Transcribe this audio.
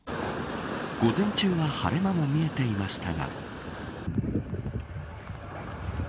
午前中は晴れ間も見えていましたが。